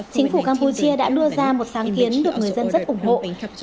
chính phủ campuchia đã đưa ra một sáng kiến được người dân rất ủng hộ